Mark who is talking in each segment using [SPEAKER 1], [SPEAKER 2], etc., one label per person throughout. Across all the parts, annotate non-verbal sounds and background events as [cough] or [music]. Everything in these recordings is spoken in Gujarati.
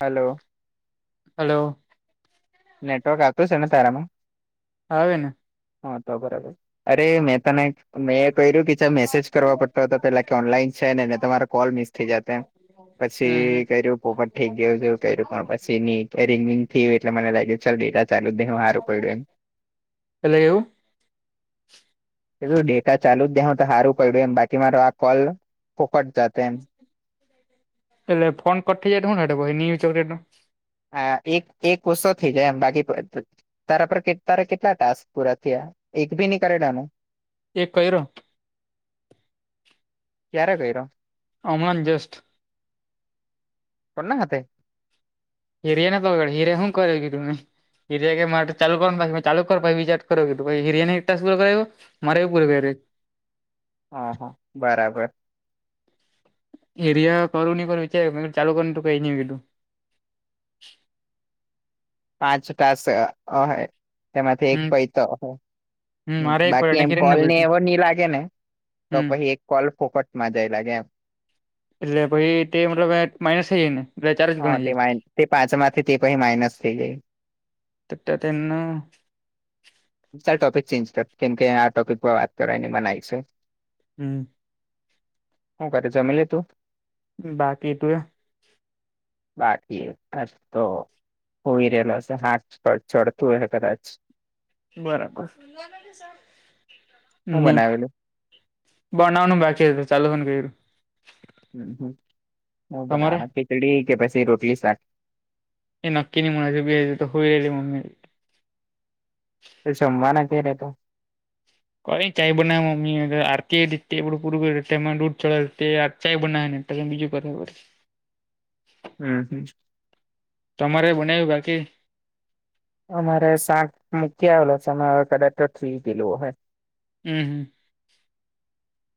[SPEAKER 1] હલો
[SPEAKER 2] હલો
[SPEAKER 1] નેટવર્ક આવતોું છે ને તારામાં
[SPEAKER 2] હના
[SPEAKER 1] હા તો બરાબર અરે મહેતા નાક મેં ક્યું કે મેસેજ કરવા પડતો હતો પેલા કે ઓનલાઈન છે નેને તમારા કોલ મિસ થઈ જ
[SPEAKER 2] હમ હમ
[SPEAKER 1] પછી કર્યું પોપટ ઠીક ગયયોું જેવું કર્યું પણ પછી ની રિંગિંગ થય એટલે મને લાગે ચાલ ડેટા ચાલુ જ ન હું સારું પડ્યું એમ
[SPEAKER 2] એટલે એવું
[SPEAKER 1] એું ડેટા ચાલુ જ દે હ તો સારું પડ્યું એમ બાકી મારો આ કોલ ફોકટ જતો એમ
[SPEAKER 2] એટલે ફન કરી હ ચલેટ
[SPEAKER 1] હા એક એક વષો થઈ જાય એમ બાકી તારા પર તારે કેટલા ટાસ્ક પૂરા થયા એક ભી નની કરેલાનું
[SPEAKER 2] એકર
[SPEAKER 1] ક્યારે ગય રહ્યો
[SPEAKER 2] અમણાં જસ્ટ.
[SPEAKER 1] કો ના ખાતે
[SPEAKER 2] હિરિયા ને પગડે હિરરે હું કરેી તુંને હીરિયા માટે ચાલુ કરવા ચાલુ કરજ કરો હ એક કર મારે પૂરે બેરે
[SPEAKER 1] હ હા બરાબર
[SPEAKER 2] એરિયા કરું નહી કરું વિચાર ચાલુ કરું કઈ નઈ ગલું.
[SPEAKER 1] પાંચ પાસે તેમાંથી એક
[SPEAKER 2] હમ
[SPEAKER 1] પૈ તો
[SPEAKER 2] હમ મારે એક પડ્યો
[SPEAKER 1] બાકી એમ
[SPEAKER 2] હિરેન
[SPEAKER 1] કોલ ને
[SPEAKER 2] પડ્યો
[SPEAKER 1] એવો નહ લાગે ને તો
[SPEAKER 2] હમ
[SPEAKER 1] પછી એક કોલ ફોકટમાં જાય લાગે એમ
[SPEAKER 2] એટલે પછાઈ તે મતલબ માઇનસ થઇ જાય ને એટલે ચાર જ
[SPEAKER 1] હા તે
[SPEAKER 2] ગણાય
[SPEAKER 1] મા તે પાંચમાંથી તે પ માઇનસ થઈ ગાય
[SPEAKER 2] તિટ તેનું.
[SPEAKER 1] ટોપિક ચેન્જ કર કેમ કે આ ટોપિક વાત કરવા ને મનાય છે.
[SPEAKER 2] હમ.
[SPEAKER 1] હું કરરે જમેલે તું.
[SPEAKER 2] બાકી તું.
[SPEAKER 1] બાકી અ તો હઈરે એલસ હાચડ તું હાચ
[SPEAKER 2] બરાબર
[SPEAKER 1] હું
[SPEAKER 2] નહી
[SPEAKER 1] બનાવેલું
[SPEAKER 2] બનાવવાનું બાકીું ચાલો ક્યું.
[SPEAKER 1] હમ હમ હ બના
[SPEAKER 2] તમારે
[SPEAKER 1] ના પચડી કેપાસ રોટલી સાક
[SPEAKER 2] એ નકીની મુજુંી હજ તો હોઈ લેલી મ્મી.
[SPEAKER 1] સમવાના ક્યારે તો
[SPEAKER 2] ક ચાય બનાવ મમ્ી આરતી રીતેું પૂરું કર્યું તેમાં દૂધ ચડ ચાય બનાવેને બીજું બબર
[SPEAKER 1] હમ હમ.
[SPEAKER 2] તમારે બનાવ્યું બાકી
[SPEAKER 1] અમારે શાક મૂકી આવેલો છેવે કદાચો થ્રી કિલો હોય
[SPEAKER 2] હમ હમ.
[SPEAKER 1] [inaudible]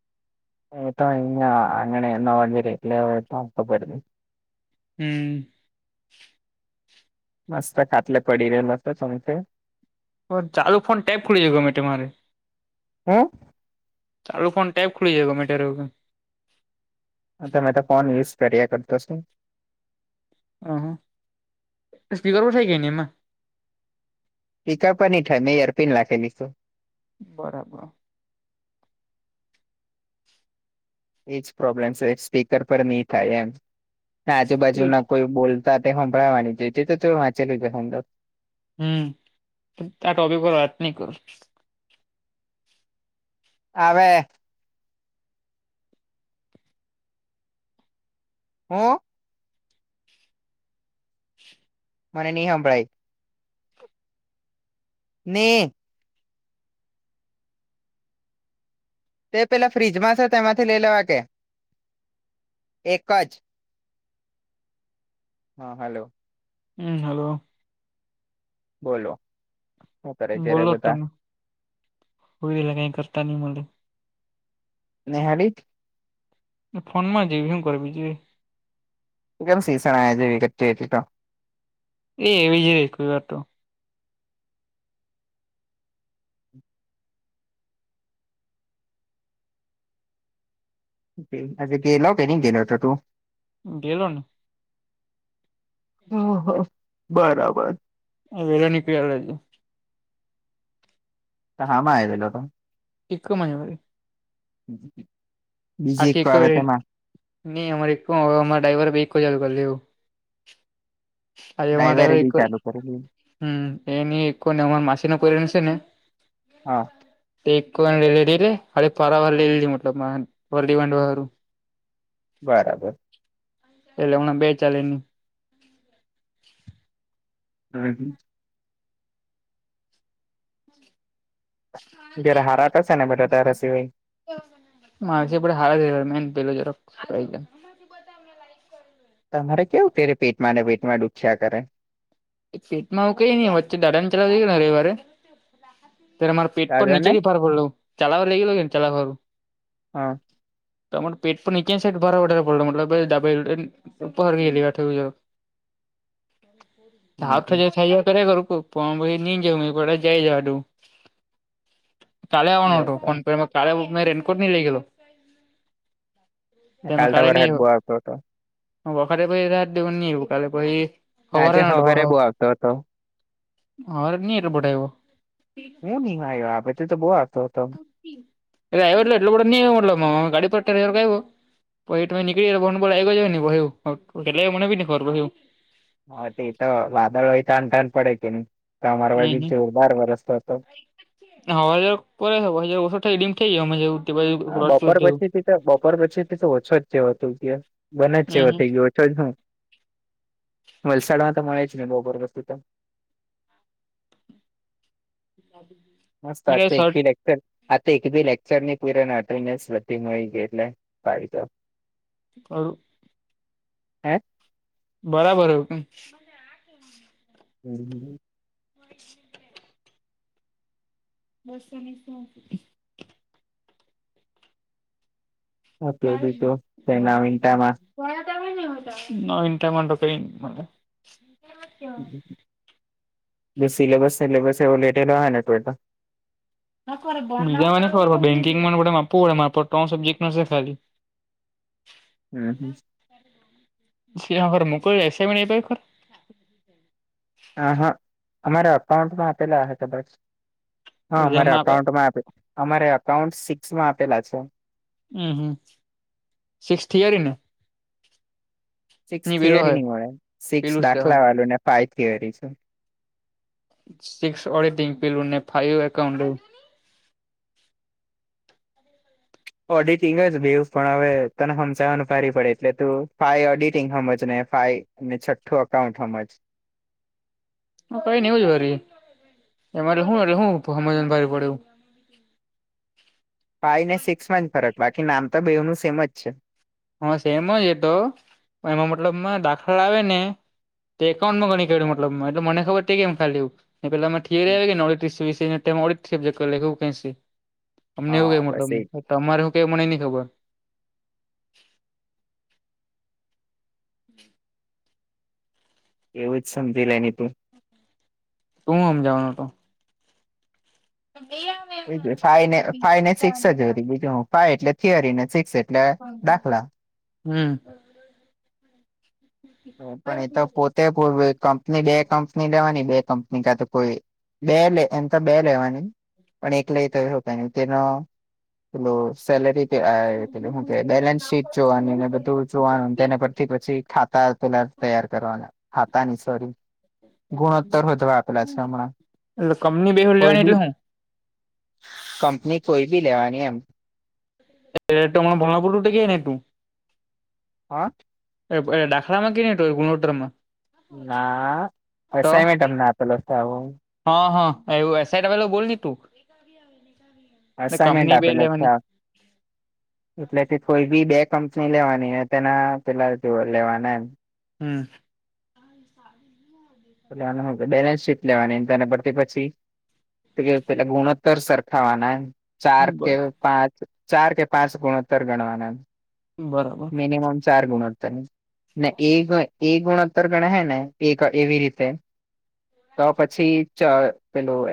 [SPEAKER 1] એ તો અહી અંગણીળ જરે લ તો અખ
[SPEAKER 2] હમ.
[SPEAKER 1] મસ્ત ખાતલે પડીને મસ્ત તમથે
[SPEAKER 2] ચાલુ ફોન ટેપ કરી દ ગ મેમે મારે
[SPEAKER 1] હમ.
[SPEAKER 2] ચાલું ફોન ટેબ ખુલી જાય ગ મેટર
[SPEAKER 1] અ મેં તો ફોન યુઝ કર્યા કરતોસ ને
[SPEAKER 2] હહ સ્પીકર પણ થાય ગ ન એમાં.
[SPEAKER 1] ટીકા પણ નનીં થાય મેં એયરપિન લખેલી તું
[SPEAKER 2] બરાબર.
[SPEAKER 1] એજ પ્રોબ્લેમ છે સ્પીકર પર નહી થાય એમ આજુબાજુ ના કોઈ બોલ સાથે ખંભળવાની છે તે તો વાંચેલું છેડો.
[SPEAKER 2] હમ ત તો અભ કો વાત ન કર
[SPEAKER 1] આવેવે હમ. મને નહી સાંભળાય ને. તે પેલા ફ્રીજમાં છે તેમાંથી લઈ લેવા કે. એક જ હા હલો.
[SPEAKER 2] હમ હલો.
[SPEAKER 1] બોલો. શું કરે ઘેરે
[SPEAKER 2] બોલો
[SPEAKER 1] બધા
[SPEAKER 2] તમે હોલા કઈ કરતા નહી મલે
[SPEAKER 1] નેહાળી
[SPEAKER 2] ફોન માં હોય બીજું હુ કરે એ
[SPEAKER 1] મઘમ સીસણ આય [unintelligible]
[SPEAKER 2] એ એવી જ રહી કોઈવાર તો
[SPEAKER 1] આજે ગેલો કે ની ગેલો હતો તું
[SPEAKER 2] ગેલો ને
[SPEAKER 1] હ હ બરાબર
[SPEAKER 2] વેલો નીકદી આવેલો આજે
[SPEAKER 1] હામા આવી રેલો તો
[SPEAKER 2] ઇકો માજ વરી
[SPEAKER 1] [inaudible] બીજી
[SPEAKER 2] આખી
[SPEAKER 1] એક
[SPEAKER 2] ઇકો
[SPEAKER 1] આવે તેમાં
[SPEAKER 2] ની અમારે ઇકો અમારે ડ્રાઈવર ભી એક ઇકો ચાલુ કરળી આજે અમારે
[SPEAKER 1] ડ્રાઈવરે
[SPEAKER 2] ડ્રાઈવર એ
[SPEAKER 1] બી
[SPEAKER 2] ઇકો
[SPEAKER 1] ચાલુ કરેલી.
[SPEAKER 2] હમ એની ઈકો ને અમારે માસી નો પોર્યો છે ને.
[SPEAKER 1] હા
[SPEAKER 2] તે ઈકો અને લઇ લીધી એટલે ફરવા લઇ લીધી મતલબ મા વરદી બાનધવા હારું [unintelligible]
[SPEAKER 1] બરાબર
[SPEAKER 2] એટલે હમણાં બે ચાલેની
[SPEAKER 1] [inaudible] જયારે હારા થશે ને બધા તારા સિવાય
[SPEAKER 2] [inaudible] [unintelligible] પેલો જરાક [inaudible] લાઈક કર
[SPEAKER 1] તમારે કેવું [unintelligible] પેટમાં ને પેટમાં ડુખ્યા કરે
[SPEAKER 2] પેટમાં આવું કઈ નહી વચ્ચે દાદા ને ત્યા ગયેલા રવીવારે ત્યારે મારે પેટ પર
[SPEAKER 1] દાદા
[SPEAKER 2] નીચે
[SPEAKER 1] ને
[SPEAKER 2] થી ફાર પડલુ ચલાવ લઈ ગયલું ને ચલાવવા
[SPEAKER 1] હા.
[SPEAKER 2] તમા પેટ પણ નીચે સાટ ભરાડારે પડે મતલ ડાબ પર ગેલીઠ. ત અથ જે થાયયા [unintelligible] ફ પછી નિ જ એ જાય જવાું કાલે આવવાનો હતોો
[SPEAKER 1] બરાબર
[SPEAKER 2] ફોન પર. કાળ મે રેનકોટ નની લઈ ગેલો
[SPEAKER 1] કાલ
[SPEAKER 2] એમાં
[SPEAKER 1] તો
[SPEAKER 2] કાળ નની.
[SPEAKER 1] વરસાદ બો આવતો હતો
[SPEAKER 2] હ વખાતે બહીી રાત દવ નિ ભું કાલે બહીી.
[SPEAKER 1] ના આજે સવારે બહ આવતો હતો.
[SPEAKER 2] હ એટ બટ એવો.
[SPEAKER 1] એમ ન આવ્યોે તો તો બહુ આવતો હતો.
[SPEAKER 2] ડ્રાઈવર એટલે ન ગાડી પરવર કું. પછ તમે નીકળ ગો લ આવી ગ જાય નને બ હ મનેવી નને ખર બહું.
[SPEAKER 1] હા તે તો વાદળ હોય થાનઠાન પડે કે નહી અમારો બાજુ
[SPEAKER 2] હમ
[SPEAKER 1] જોરદાર વરસ્તો હતો.
[SPEAKER 2] હવા હજવા હ ઓો થઈડીમ થઈ
[SPEAKER 1] હા બપોર
[SPEAKER 2] ગું.
[SPEAKER 1] પછીથી બપોર પચ્ચેથી તો ઓછો જ જેવ હતું ગયો બને જ જેવો
[SPEAKER 2] હમ
[SPEAKER 1] થઈ ગયો. હ વલસાડમાં તો મળે જ ને બહબરસ્.
[SPEAKER 2] [unintelligible]
[SPEAKER 1] મસ્ત એજ તો એક
[SPEAKER 2] શર્ટ
[SPEAKER 1] ભી આજે તો એક બી લેક્ચરની ની ભર્યો ને ટટેન્ડન્સ બધી મળી ગઈ [unintelligible]
[SPEAKER 2] અ.
[SPEAKER 1] હે
[SPEAKER 2] બરાબર હો કે.
[SPEAKER 1] હમ હ.
[SPEAKER 2] બસ અને [unintelligible] [inaudible]
[SPEAKER 1] [unintelligible] નવીનતા માં.
[SPEAKER 2] નવીનતા મા તો કઈ ની મલે
[SPEAKER 1] જો સિલેબસ સિલેબસ એવો લીધેલો હ યે ને તું એ તો
[SPEAKER 2] બીજા મને ખબર પડે બેંકિંગ આપવું પડે મારે સબ્જેક્ટ ન ખાલી.
[SPEAKER 1] હમ હમ.
[SPEAKER 2] હરા. હર મુું કોઈ રસસાી નઈ પ ખર.
[SPEAKER 1] હ હા અમારા અકાઉન્ટમાં આપેલા હ બસ. હા અમારે
[SPEAKER 2] જેમાં આપે
[SPEAKER 1] અઉન્ટમાં અમારે અકાઉન્ટ સિક્સમાં આપેલા છે.
[SPEAKER 2] હમ હમ સિક્સ થયરી ને.
[SPEAKER 1] સિક્સ
[SPEAKER 2] પેલું હ
[SPEAKER 1] થિયરી ની મળે સિક્સ
[SPEAKER 2] પેલું છે
[SPEAKER 1] દાખલા વાલું ને ફાઈવ થિયરી.
[SPEAKER 2] સિક્સ ઓડિટિંગ પીલને ફાઈવ અકાઉન્ટ.
[SPEAKER 1] ઓડિટિંગ જ ભવ પણ હવે તને સમજાવવાનું ફારી પડે એટલે તું ફાઈ ઓડિટિંગ સમજ ને ફાઈ. અને છઠ્ઠું અકાઉન્ટ સમમ જ.
[SPEAKER 2] હ કઈ નહી હોજ ભરી એરે શું હું હમેન ભારે પડ.
[SPEAKER 1] ફાઈ ને સિક્સ માં જ ફરક બાકી નામ તો બે નું સેમ જ છે.
[SPEAKER 2] હા સેમ જ એ તો એમાં મતલબમાં દાખલા આવે ને. તે એકઉન્ટ નું ગણી કેડ્યું મતલબ એટલે મને ખબર કેમ ખાલી પેલા. ડ ઓડબજેક્ટ એવું ક અમને એવ
[SPEAKER 1] હા
[SPEAKER 2] મો.
[SPEAKER 1] બસ એ
[SPEAKER 2] તમાર હું કઈ બના ન ખબર. [unintelligible] હમ.
[SPEAKER 1] એવું જ સમજી લે તું.
[SPEAKER 2] તું આમજવાનો હતો. હજી.
[SPEAKER 1] બી ફને ફાઈ ને સિક્સ જ હો બીજું હું ફાઈ એટલે થિયરી ને સિક્સ એ.
[SPEAKER 2] હમ.
[SPEAKER 1] પણ એ તો પોતે કંપની બે કંપની લેવાની બે કંપની કા તો કોઈ. બે લે એમ તો બે લેવાની પણ એક લઈ તો તેનો. એ સલરી. ટું બેલેન્સ શીટ જોવાની ને બધું જોવાનું તેને પરથી પછી ખાતા. પેલા તૈયાર કરવાના હતા હતા ની સોરી ગુણોત્તર વધવા આપેલા છે હમણાં.
[SPEAKER 2] એટ કમની બે
[SPEAKER 1] કોઈ
[SPEAKER 2] લેવાની
[SPEAKER 1] બી
[SPEAKER 2] એટલે હું.
[SPEAKER 1] કંપની કોઈ બી લેવાની એમ.
[SPEAKER 2] એ તર ભલાપરટ ગ ને તું.
[SPEAKER 1] હા.
[SPEAKER 2] એ દાખડામાં કે નહીો ગુણલોોટરમાં.
[SPEAKER 1] ના વસાયમેન્ટમને તલ સા આવું.
[SPEAKER 2] હા હા એવું એસઆઈ ટ્રાવલ બોલ ને તું.
[SPEAKER 1] અસાાઈનમેન્ટ
[SPEAKER 2] કંપની બે
[SPEAKER 1] આપેલો છે.
[SPEAKER 2] લેવાની
[SPEAKER 1] એટલે કોઈ બી બે કંપની લેવાની તેના પેલા જો લેવાના એમ.
[SPEAKER 2] હમ. સાડી હો.
[SPEAKER 1] લેવાનું બેલેન્સ સીટ લેવાની તને પડતી પછી. પેલા ગુણોત્તર સરખાવાના એમ. ચાર કે પાંચ ચાર કે પાંચ ગુણોત્તર ગણવાનામ.
[SPEAKER 2] બરાબર.
[SPEAKER 1] ચાર ગુણતા. એ ગુણતર ગણ હે ને એક એવી રીતે. તો પછી પેલું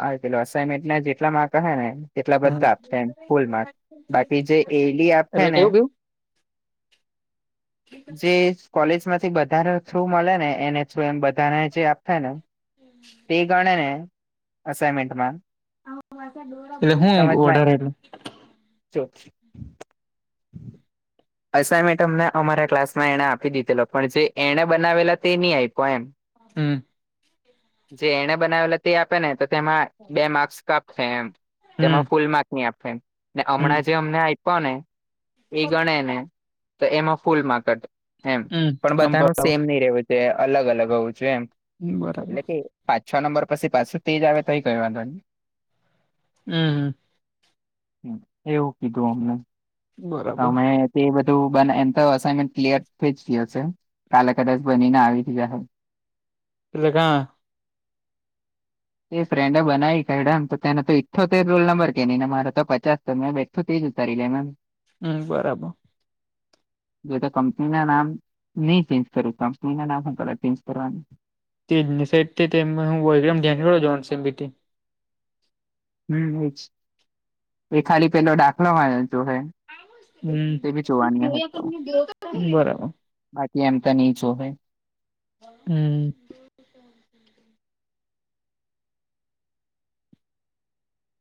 [SPEAKER 1] અનમેન્ટ જેટલા મા ક ને. એટલા
[SPEAKER 2] હમ
[SPEAKER 1] બધા આપશે એમ ફૂલ માર્ક બાકી જે એલી આપ હે
[SPEAKER 2] એટલે
[SPEAKER 1] ને
[SPEAKER 2] કેવું કેવું
[SPEAKER 1] જે કોલેજ માંથી બધાને થ્રુ મળે ને એને થ્રુ એમ બધાને જે આપ થાય નેમ. તે ગણે ને અસાઈમેન્ટમાં.
[SPEAKER 2] એટલે હું વધઢારે એટ.
[SPEAKER 1] ચો અર્સા મેડમે ને અમારા ક્લાસમાં એણે આપી દીધેલો પણ જે એણે બનાવેલા તે નહી આયપો એમ.
[SPEAKER 2] હમ્મ.
[SPEAKER 1] જે એને બનાવેલો તે આપે ને તો તેમાં બે માર્સ કાપસે એમ.
[SPEAKER 2] હમ
[SPEAKER 1] તેમાં ફૂલ માર્કની આપે એમ ને
[SPEAKER 2] હમ
[SPEAKER 1] હમણાં જે અમને આયપો ને. એ ગણે ને તો એમાં ફૂલ માર્કટ એમ
[SPEAKER 2] હમ
[SPEAKER 1] પણ
[SPEAKER 2] આમ
[SPEAKER 1] બધાનું
[SPEAKER 2] બરાબર
[SPEAKER 1] સેમ નહી રહેવું તે અલગ અલગ હોવું જોએ એમ એટલે
[SPEAKER 2] બરાબર
[SPEAKER 1] કે. પાંચ છ નંબર પછી પાછું તેજ આવે પહી કરવાન
[SPEAKER 2] હમ્મ હમ્મ
[SPEAKER 1] એવું કીધું અમને.
[SPEAKER 2] બરાબર
[SPEAKER 1] અમે તે બધું બના એમ તો અસાનમેન્ટ ક્લિયર થઈ જ ગ્યું હશે. કાલે કદાચ બનીને આવી જાહ
[SPEAKER 2] એ [unintelligible]
[SPEAKER 1] એ ફ્રેન્ડે બનાવી ખમ તો તેને તો ઈઠોતેર રોલ નંબર કે ન ને મારે તો પચાસ તો મેં બે તો તે જ ઉતારી લે મેમ.
[SPEAKER 2] હમ્મ બરાબ
[SPEAKER 1] [inaudible] જો તો કંપની ના નામ નહી ચેન્જ કરું કંપની ના નામ હું કરવા ચેન્જ કરવાનું.
[SPEAKER 2] [unintelligible]
[SPEAKER 1] હમ્મ એજ એ ખાલી પેલો ડાખલો માર્યો તો હે
[SPEAKER 2] હમ્મ બરાબ
[SPEAKER 1] બાકી એમ તો ની જ શોભે
[SPEAKER 2] હમ્મ.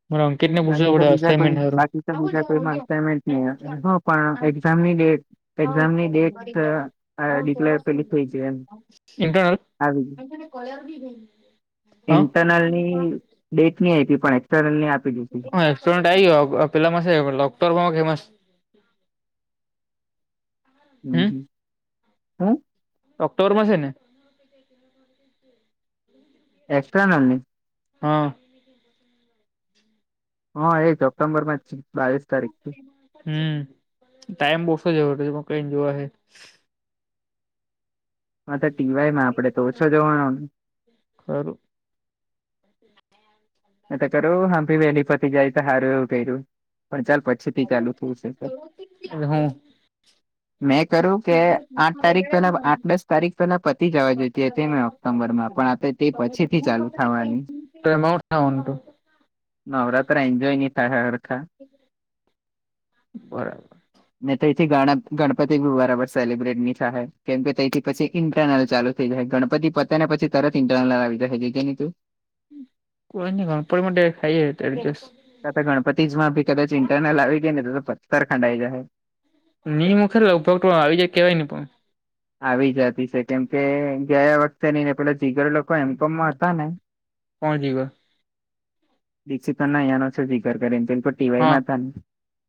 [SPEAKER 2] મારે અંકિતને પૂછવું
[SPEAKER 1] બાકી તો
[SPEAKER 2] પડે
[SPEAKER 1] બીજા કો
[SPEAKER 2] અસાઇનમેન્ટ હારું
[SPEAKER 1] બાકી તો બીજા કોઇમાં અસાઇમેન્ટ નહીં પણ એક્ઝામની ડેટ એક્ઝામની ડેટ ડિક્લેર પેલી થઈ જી એમ આવી ગી
[SPEAKER 2] કોલેર બી નઈ.
[SPEAKER 1] ઇન્ટરનલ ની ડેટ ની આયપી પણ એક્સટર્નલ ની આપી દીધી.
[SPEAKER 2] સ્ટુડન્ટ આઈ અ પેલા પાસે અ લોકર માં [unintelligible]
[SPEAKER 1] હમ્મ હમ્મ હ
[SPEAKER 2] ઓક્ટોર મા સે ને [inaudible] [inaudible]
[SPEAKER 1] એક્ટર્નલ ની
[SPEAKER 2] હ અ
[SPEAKER 1] હ એ ઓક્ટમ્બર માં જ છે બાવીસ તારીખ થી
[SPEAKER 2] હમ્મ ટાઈમ બહ ઓશો છે [unintelligible] જોવે હે
[SPEAKER 1] હ તો ટીવાય માં આપડે ઓછો જોવાનો
[SPEAKER 2] ખરું.
[SPEAKER 1] એ તો ચાલો હામઠી વેલી પતિ જાય તો હાર પેરું પણ ચાલ પ
[SPEAKER 2] એ હા
[SPEAKER 1] મેં કર્યું કે આઠ તારીખ પેલા આઠ દસ તારીખ પેલા પતિ જવા જોઈતી હતી ન સમ્બર માં પણ તે પછી થી ચાલુ થવાની
[SPEAKER 2] તો એમા ઉન્ટ થાવા નું હતું
[SPEAKER 1] નવરાત્રા એન્જોય ની થાહે હરખા
[SPEAKER 2] બરાબ
[SPEAKER 1] ને તેથી ગણ ગણપતિ બી બરાબર સેલિબ્રિટ ની થાહે કેમ કે તેથી પછી ઇન્ટરનલ ચાલુ થઈ જહે. ગણપતિ પતે ને પછી તરત ઇન્ટરરલ આવી જહે જોજે ની તું.
[SPEAKER 2] કોઈ ની [unintelligible] માટે ખાઈએ તો એડજસ
[SPEAKER 1] ક તો ગણપતિસ માં પણ ઇન્ટર્નલ આવી ગઈ ને તો પત્તર ખંડાઈ જહે.
[SPEAKER 2] ની મુખે ઉપર કોઈ આવી જાય કેવાય નહી પણ.
[SPEAKER 1] આવી જતી છે કેમકે ગયા વખતે નઈ ને પેલા જીગર લોકો એમકોમમાં હતા ને [inaudible]
[SPEAKER 2] પહોં [unintelligible]
[SPEAKER 1] દીક્ષિતાનો અહીયાનો છે જીગર કરીને પન તે
[SPEAKER 2] હા
[SPEAKER 1] ટીવાયમાં હતા ને.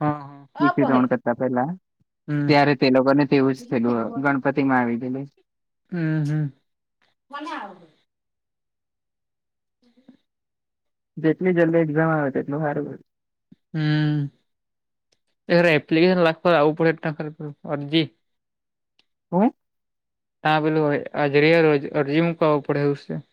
[SPEAKER 2] હા હા
[SPEAKER 1] [unintelligible] ત્રણ કરતા પેલા
[SPEAKER 2] હમ
[SPEAKER 1] ત્યારે તે લોકો ને તેવું જ થયલું ગણ આવી ગેલો જ
[SPEAKER 2] હમ્મહ. કોને આવ? હ
[SPEAKER 1] જેટલી જલ્દી એક્ઝામ આવે તેટલું હારું વરી.
[SPEAKER 2] હમ્મ, એ એપ્લિકેશન લાખવા આવુ પડહે. અરજી
[SPEAKER 1] હું
[SPEAKER 2] તા પેલું હવે આજરીય અરજી મુકવા આવુ પડે એવુ સે.